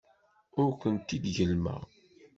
Ur kent-id-gellmeɣ.